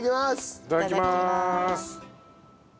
いただきまーす。